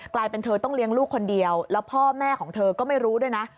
กลายเป็นเธอต้องเลี้ยงลูกคนเดียวแล้วพ่อแม่ของเธอก็ไม่รู้ด้วยนะ